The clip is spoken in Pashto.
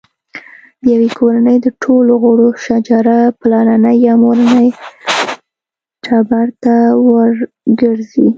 د یوې کورنۍ د ټولو غړو شجره پلرني یا مورني ټبر ته ورګرځي.